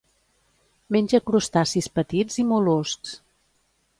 Menja crustacis petits i mol·luscs.